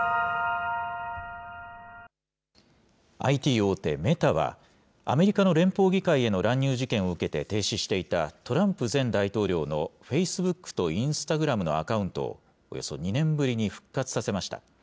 ＩＴ大手メタは、アメリカの連邦議会への乱入事件を受けて停止していた、トランプ前大統領のフェイスブックとインスタグラムのアカウントを、およそ２年ぶりに復活させました。